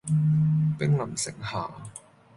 兵臨城下